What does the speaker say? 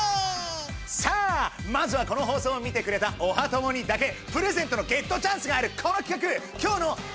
さあまずはこの放送を見てくれたおはトモにだけプレゼントのゲットチャンスがあるこの企画。